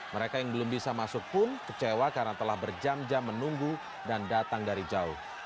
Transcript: mereka yang belum bisa masuk pun kecewa karena telah berjam jam menunggu dan datang dari jauh